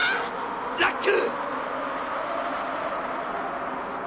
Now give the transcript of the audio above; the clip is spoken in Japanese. ラック！